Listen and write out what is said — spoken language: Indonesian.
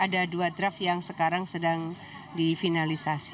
jadi ada dua draft yang sedang di finalisasi